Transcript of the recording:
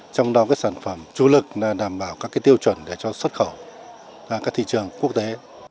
trong đó sản phẩm chủ lực đảm bảo các tiêu chuẩn để cho xuất khẩu ra các thị trường quốc tế